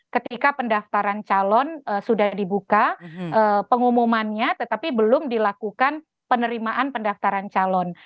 ketika pendaftaran calon sudah dibuka pengumumannya tetapi belum dilakukan penerimaan pendaftaran calon